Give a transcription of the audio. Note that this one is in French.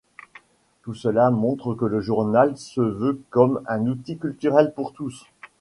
Tout cela montre que le journal se veut comme un outil culturel pour tous.